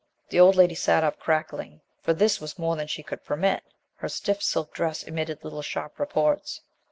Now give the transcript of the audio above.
The old lady sat up crackling, for this was more than she could permit. Her stiff silk dress emitted little sharp reports.